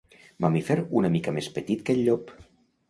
Mamífer una mica més petit que el llop.